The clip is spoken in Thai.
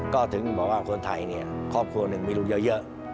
ก็ถึงบอกว่าคนไทยเนี่ยครอบครัวหนึ่งมีลูกเยอะ